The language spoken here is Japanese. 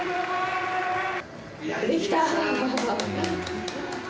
できた！